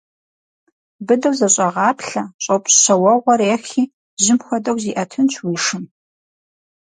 Быдэу зэщӏэгъаплъэ, щӏопщ щэ уэгъуэр ехи, жьым хуэдэу зиӏэтынщ уи шым.